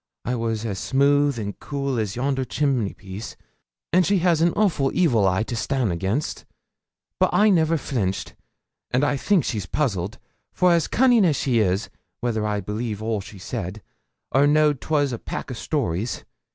I was as smooth and cool as yonder chimneypiece, and she has an awful evil eye to stan' against; but I never flinched, and I think she's puzzled, for as cunning as she is, whether I believe all she said, or knowed 'twas a pack o' stories.